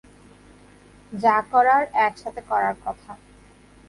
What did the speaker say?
যা করার একসাথে করার কথা।